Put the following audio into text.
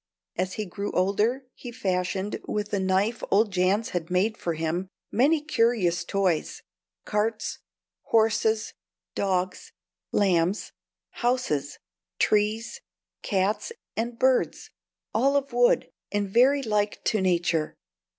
As he grew older, he fashioned, with the knife old Jans had made for him, many curious toys, carts, horses, dogs, lambs, houses, trees, cats, and birds, all of wood and very like to nature.